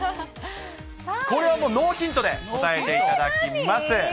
これはもうノーヒントで答えていただきます。